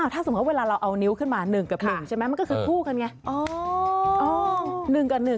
ถ้าสมมุติเวลาเราเอานิ้วขึ้นมา๑กับ๑ใช่ไหมมันก็คือคู่กันไง